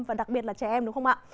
và đặc biệt là trẻ em đúng không ạ